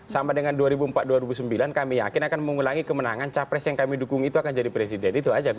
sama dengan dua ribu empat dua ribu sembilan kami yakin akan mengulangi kemenangan capres yang kami dukung itu akan jadi presiden itu aja